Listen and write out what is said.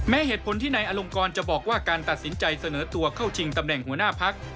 เหตุผลที่นายอลงกรจะบอกว่าการตัดสินใจเสนอตัวเข้าชิงตำแหน่งหัวหน้าพัก